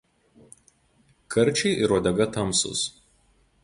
Karčiai ir uodega tamsūs.